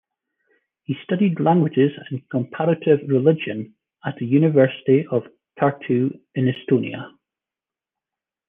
He studied languages and comparative religion at the University of Tartu in Estonia.